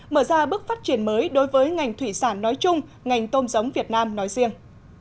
mở ra bước phát triển mới đối với ngành thủy sản nói chung ngành tôm giống việt nam nói riêng